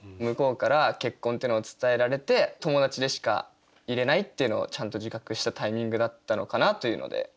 向こうから結婚っていうのを伝えられて友達でしかいれないっていうのをちゃんと自覚したタイミングだったのかなというので。